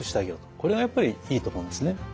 これがやっぱりいいと思うんですね。